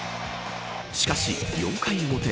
しかし４回表。